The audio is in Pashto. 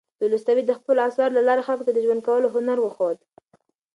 تولستوی د خپلو اثارو له لارې خلکو ته د ژوند کولو هنر وښود.